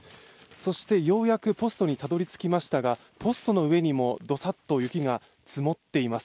そしてようやくポストにたどり着きましたがポストの上にも、どさっと雪が積もっています。